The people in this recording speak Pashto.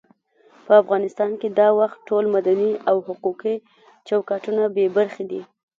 په افغانستان کې دا وخت ټول مدني او حقوقي چوکاټونه بې برخې دي.